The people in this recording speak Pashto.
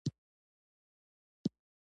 د حنا یاد د اور لمبه وه چې جون یې سوځاوه